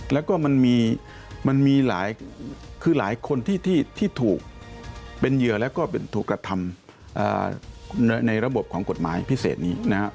แล้วก็มันมีหลายคือหลายคนที่ถูกเป็นเหยื่อแล้วก็ถูกกระทำในระบบของกฎหมายพิเศษนี้นะครับ